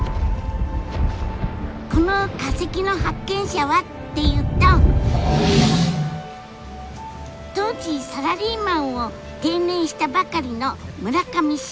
この化石の発見者はっていうと当時サラリーマンを定年したばかりの村上茂さん。